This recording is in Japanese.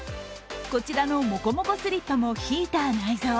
こちらの、もこもこスリッパのヒーター内蔵。